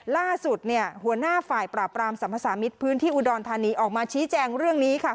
ล่าสุดเนี่ยหัวหน้าฝ่ายปราบรามสรรพสามิตรพื้นที่อุดรธานีออกมาชี้แจงเรื่องนี้ค่ะ